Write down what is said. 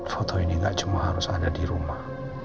foto ini gak cuma harus ada di rumah